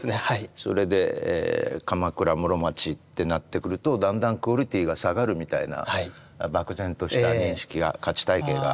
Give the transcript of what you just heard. それで鎌倉室町ってなってくるとだんだんクオリティーが下がるみたいな漠然とした認識や価値体系があったわけですよね。